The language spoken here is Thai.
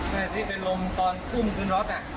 ถ้าที่เป็นลมตอนกุ้มขึ้นล๊อต